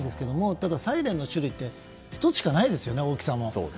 ただ、サイレンの種類って１つしかないですよね、大きさも。